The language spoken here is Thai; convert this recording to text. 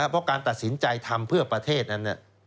เพราะการตัดสินใจทำเพื่อประเทศนั้น